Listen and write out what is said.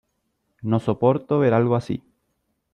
No soporto ver algo así